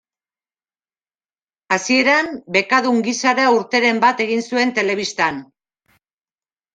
Hasieran, bekadun gisara urteren bat egin zuen telebistan.